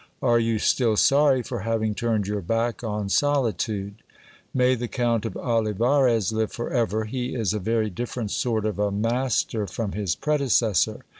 Are you still sorry for having turned your back on solitude ? May the Count of Olivarez live for ever ! he is a very different sort of a master from his predecessor.